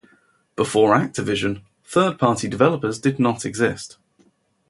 Before Activision, third-party developers did not exist.